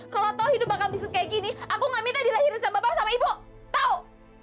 kalau tahu hidup bahkan bisa kayak gini aku gak minta dilahirin sama bapak sama ibu tahu